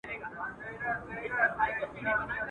جهاني نن مي له زاهده نوې واورېدله.